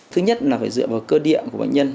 thứ nhất là phải dựa vào cơ địa của bệnh nhân